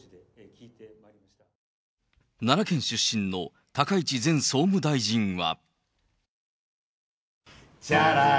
奈良県出身の高市前総務大臣は。